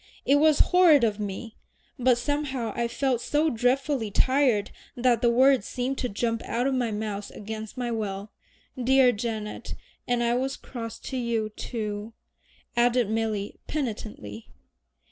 It was horrid of me, but somehow I felt so dreadfully tired that the words seemed to jump out of my mouth against my will. Dear Janet and I was cross to you, too," added Milly penitently.